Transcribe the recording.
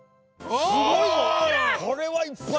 すごいぞ。